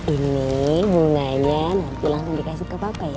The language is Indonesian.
ini bunganya nanti langsung dikasih ke papa ya